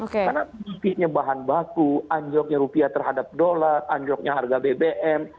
karena bukitnya bahan baku anjoknya rupiah terhadap dolar anjoknya harga bbm